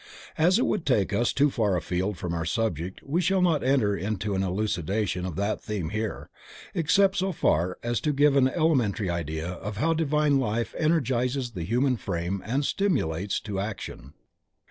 As it would take us too far afield from our subject we shall not enter into an elucidation of that theme here, except so far as to give an elementary idea of how divine Life energizes the human frame and stimulates to action.